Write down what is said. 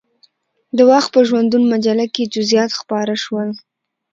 د وخت په ژوندون مجله کې یې جزئیات خپاره شول.